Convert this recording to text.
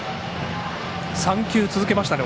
３球続けましたね